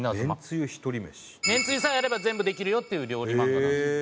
めんつゆさえあれば全部できるよっていう料理漫画なんですよ。